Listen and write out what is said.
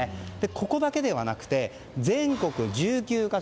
ここだけではなくて全国１９か所